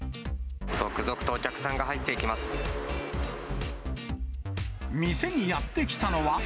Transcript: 続々とお客さんが入っていき店にやって来たのは。